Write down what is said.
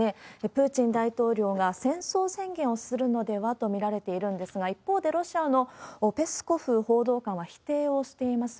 プーチン大統領が戦争宣言をするのではと見られているんですが、一方で、ロシアのペスコフ報道官は否定をしています。